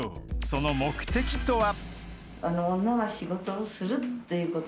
［その目的とは？］